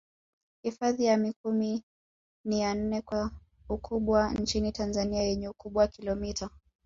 Hifadhi ya Mikumi ni ya nne kwa ukubwa nchini Tanzania yenye ukubwa kilomita